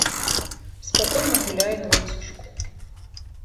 Спакойна гуляе на ланцужку.